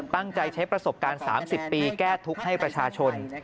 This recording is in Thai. ตั้งใจใช้ประสบการณ์๓๐ปีแก้ทุกข์ให้ประชาชน